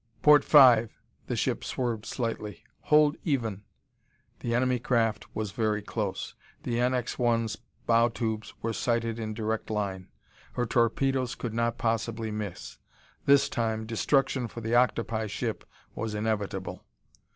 "Port five!" The ship swerved slightly. "Hold even!" The enemy craft was very close. The NX 1's bow tubes were sighted in direct line. Her torpedoes could not possibly miss. This time, destruction for the octopi ship was inevitable....